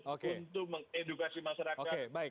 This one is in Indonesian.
untuk mengedukasi masyarakat